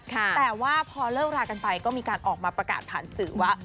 แต่ว่าพอเลิกรากันไปก็มีการออกมาประกาศผ่านสื่อว่า